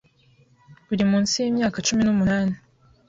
uri munsi y'imyaka cumi numunani